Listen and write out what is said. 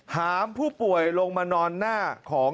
หามผู้ป่วยลงมานอนหน้าของ